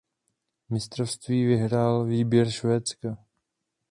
Mistrovství vyhrál výběr Švédska.